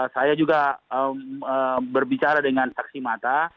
saya juga berbicara dengan saksi mata